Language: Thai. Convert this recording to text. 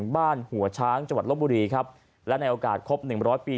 บ้านหัวช้างจังหวัดลบบุรีและในโอกาสครบ๑๐๐ปี